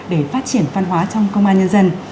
để phát triển văn hóa trong công an nhân dân